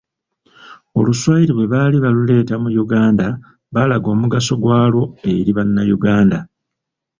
Oluswayiri bwe baali baluleeta mu Uganda baalaga omugaso gwalwo eri Bannayuganda.